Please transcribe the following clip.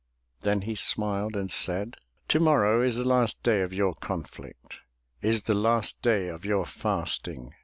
'* Then he smiled, and said: *' To morrow Is the last day of your conflict. Is the last day of your fasting.